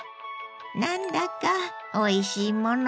何だかおいしいもの